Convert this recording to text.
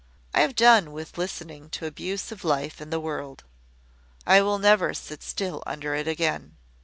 I have done with listening to abuse of life and the world. I will never sit still under it again.